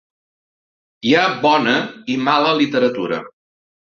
Hi ha bona i mala literatura.